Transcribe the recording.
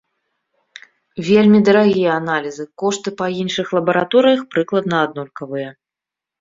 Вельмі дарагія аналізы, кошты па іншых лабараторыях прыкладна аднолькавыя.